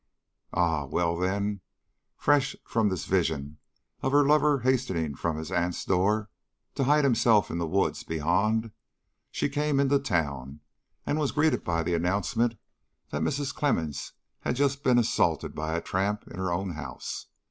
"Ah, well, then, fresh from this vision of her lover hasting from his aunt's door to hide himself in the woods beyond, she came into town and was greeted by the announcement that Mrs. Clemmens had just been assaulted by a tramp in her own house.